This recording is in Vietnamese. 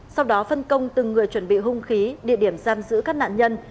sau đó phân công từng người chuẩn bị hung khí địa điểm giam giữ các nạn nhân